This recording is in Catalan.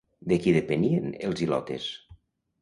De qui depenien els ilotes?